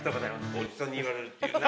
おじさんに言われるっていうね。